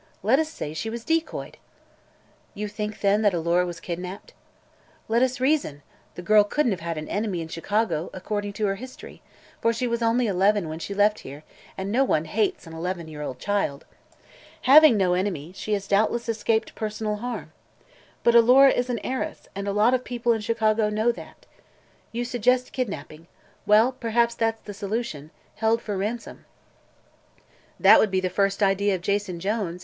Let us say she was decoyed." "You think, then, that Alora was kidnapped?" "Let us reason. The girl couldn't have had an enemy in Chicago, according to her history, for she was only eleven when she left here and no one hates an eleven year old child. Having no enemy, she has doubtless escaped personal harm. But Alora is an heiress, and a lot of people in Chicago know that. You suggest kidnapping. Well, perhaps that's the solution: held for ransom." "That would be the first idea of Jason Jones!"